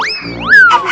terima kasih pak